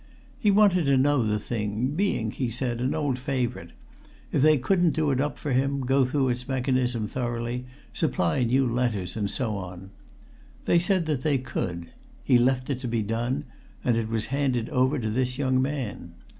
He wanted to know the thing being, he said, an old favourite if they couldn't do it up for him, go through its mechanism thoroughly, supply new letters, and so on. They said they could. He left it to be done, and it was handed over to this young man.